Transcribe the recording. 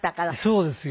そうですよね。